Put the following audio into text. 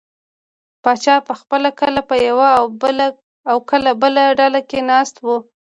پاچا به پخپله کله په یوه او کله بله ډله کې ناست و.